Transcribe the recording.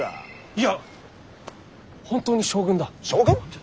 いや本当に将軍だ。